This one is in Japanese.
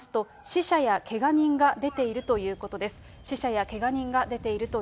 死者やけが人が出ているということです。